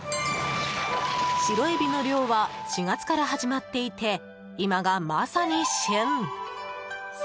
白エビの漁は４月から始まっていて今がまさに旬。